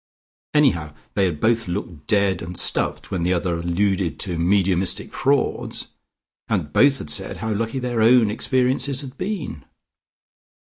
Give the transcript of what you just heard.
Anyhow they had both looked dead and stuffed when the other alluded to mediumistic frauds, and both had said how lucky their own experiences had been.